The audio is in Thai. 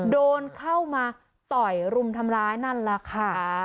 โดนเข้ามาต่อยรุมทำร้ายนั่นแหละค่ะ